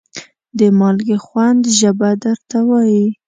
د مالګې خوند ژبه درته وایي.